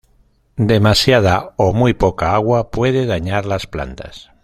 Demasiada o muy poca agua puede dañar las plantas.